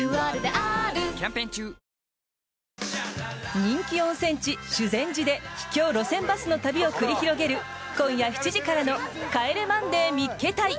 人気温泉地、修善寺で秘境路線バスの旅を繰り広げる今夜７時からの「帰れマンデー見っけ隊！！」。